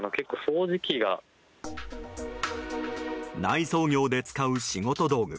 内装業で使う仕事道具